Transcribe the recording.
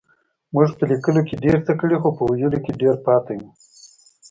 مونږ په لکيلو کې ډير څه کړي خو په ويلو کې ډير پاتې يو.